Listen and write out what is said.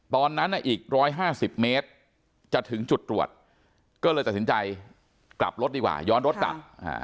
ตอนนั้นอีก๑๕๐เมตรจะถึงจุดตรวจก็เลยตัดสินใจกลับรถดีกว่าย้อนรถกลับ